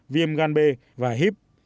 viêm gan b và hip